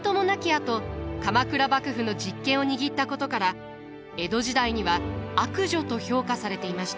あと鎌倉幕府の実権を握ったことから江戸時代には悪女と評価されていました。